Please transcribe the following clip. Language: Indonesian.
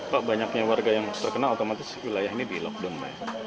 pak banyaknya warga yang terkenal otomatis wilayah ini di lockdown